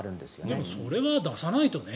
でもそれは出さないとね。